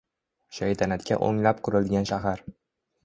Shaytanatga o‘nglab qurilgan shahar.